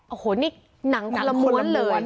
โอ้โหนี่หนังคนละม้วนเลย